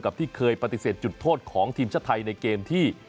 ที่เคยปฏิเสธจุดโทษของทีมชาติไทยในเกมที่